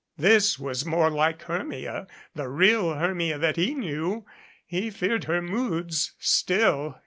This was more like Hermia, the real Hermia that he knew. He feared her moods still.